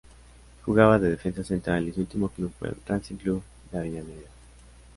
Jugaba de defensa central y su último club fue el Racing Club de Avellaneda.